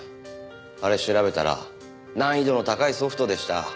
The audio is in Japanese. あれ調べたら難易度の高いソフトでした。